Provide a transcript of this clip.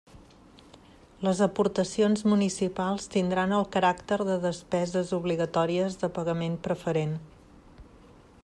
Les aportacions municipals tindran el caràcter de despeses obligatòries de pagament preferent.